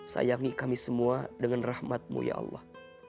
sayangi kami semua dengan rahmatmu ya allah